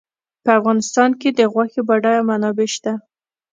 په افغانستان کې د غوښې بډایه منابع شته.